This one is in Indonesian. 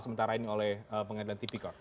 sementara ini oleh pengadilan tipikor